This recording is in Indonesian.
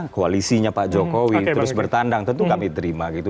koalisinya pak jokowi terus bertandang tentu kami terima gitu